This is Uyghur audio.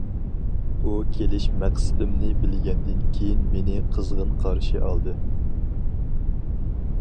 ئۇ كېلىش مەقسىتىمنى بىلگەندىن كېيىن، مېنى قىزغىن قارشى ئالدى.